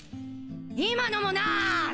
今のもなし！